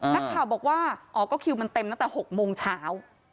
นักข่าวบอกว่าอ๋อก็คิวมันเต็มตั้งแต่๖โมงเช้า